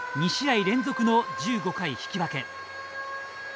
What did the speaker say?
２試合連続の１５回引き分け。